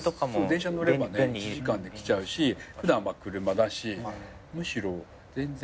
電車乗れば１時間で来ちゃうし普段は車だしむしろ全然いいかな。